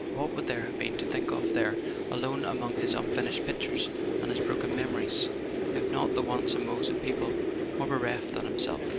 What would there have been to think of there, alone among his unfinished pictures and his broken memories, if not the wants and woes of people more bereft than himself